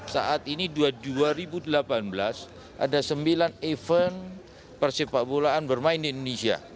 saat ini dua ribu delapan belas ada sembilan event persepak bolaan bermain di indonesia